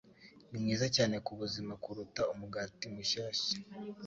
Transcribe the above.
ni mwiza cyane ku buzima kuruta umugati mushyashya.